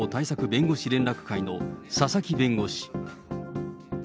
弁護士連絡会の佐々木弁護士。